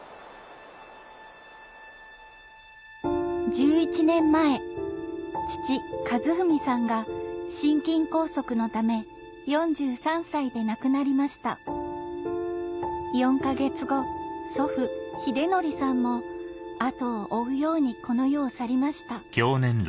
１１年前父・和史さんが心筋梗塞のため４３歳で亡くなりました４か月後祖父・英則さんも後を追うようにこの世を去りました